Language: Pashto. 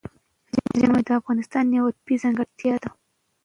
ژمی د افغانستان یوه طبیعي ځانګړتیا ده.